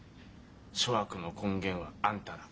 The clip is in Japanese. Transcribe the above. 諸悪の根源はあんただ」。